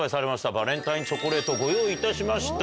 バレンタインチョコレートご用意いたしました。